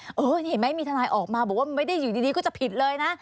เห็นไหมมีทนายออกมาบอกว่าไม่ได้อยู่ดีก็จะผิดเลยนะ